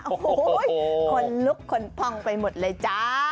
โอ้โหคนลุกคนพองไปหมดเลยจ้า